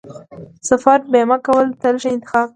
د سفر بیمه کول تل ښه انتخاب دی.